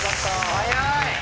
早い！